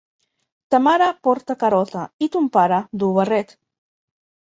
Ta mare porta carota i ton pare duu barret.